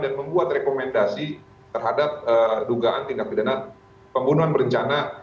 dan membuat rekomendasi terhadap dugaan tindak pidana pembunuhan berencana